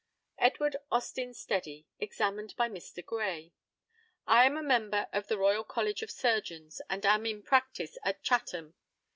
EDWARD AUSTIN STEDDY, examined by Mr. GRAY: I am a member of the Royal College of Surgeons, and am in practice at Chatham.